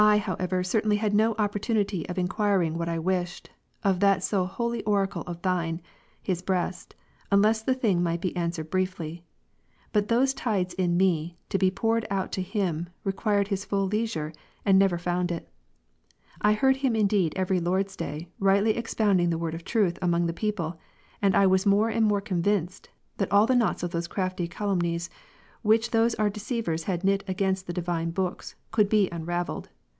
1 however certainly had no opportunity of enquiring what I wished, of that so holy oracle of Thine, his breast, unless the thing might be answered briefly. But those tides in me, to be poured out to him, required his full leisure, and never found it. I heard him indeed every Lord's day, rightly expounding 2 Tin: the Word of Truth among the people ; and I was more and ^'^^• more convinced, that all the knots of those crafty calumnies, which those our deceivers had knit against the Divine Books, could be unravelled.